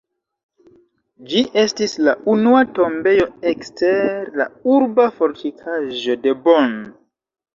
Ĝi estis la unua tombejo ekster la urba fortikaĵo de Bonn.